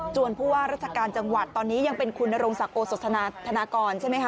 ผู้ว่าราชการจังหวัดตอนนี้ยังเป็นคุณนรงศักดิ์โอสธนากรใช่ไหมคะ